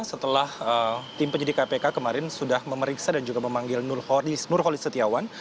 setelah tim penyidik kpk kemarin sudah memeriksa dan juga memanggil nurholis setiawan